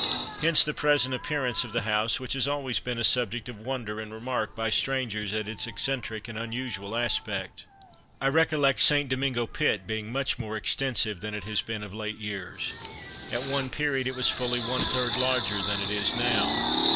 Hence the present appearance of the house which has always been a subject of wonder and remark by strangers at its eccentric and unusual aspect. I recollect St. Domingo Pit being much more extensive than it has been of late years. At one period it was fully one third larger than it is now.